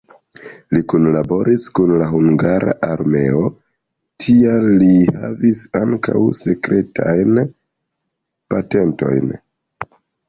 Li kunlaboris kun la hungara armeo, tial li havis ankaŭ sekretajn patentojn.